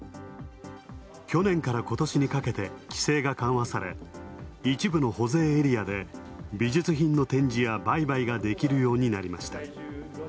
去年から今年にかけて規制が緩和され一部の保税エリアで美術品の展示や売買ができるようになりました。